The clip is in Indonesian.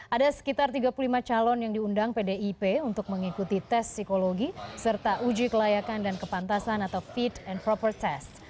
ada sekitar tiga puluh lima calon yang diundang pdip untuk mengikuti tes psikologi serta uji kelayakan dan kepantasan atau fit and proper test